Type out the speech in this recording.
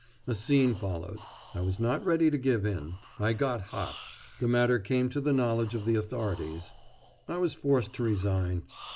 A scene followed. I was not ready to give in; I got hot; the matter came to the knowledge of the authorities; I was forced to resign.